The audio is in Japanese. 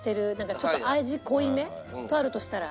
ちょっと味濃いめとあるとしたら。